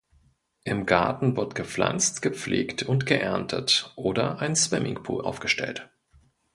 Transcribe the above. Im Garten wird gepflanzt, gepflegt und geerntet oder ein Swimmingpool aufgestellt.